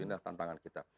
ini adalah tantangan kita